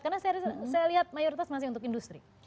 karena saya lihat mayoritas masih untuk industri